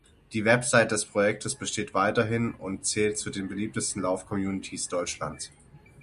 Die Website des Projektes besteht weiterhin und zählt zu den beliebtesten Lauf-Communitys Deutschlands.